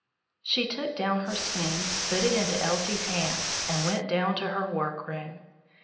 She took down her swing, put it into Elsie's hands, and went down to her workroom.